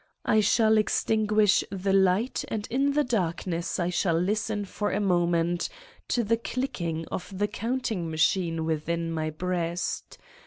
I shall extinguish the light and in the darkness I shall listen for a moment to the clicking of the counting machine within my breast.